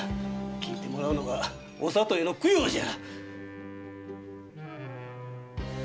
聞いてもらうのがお里への供養じゃ！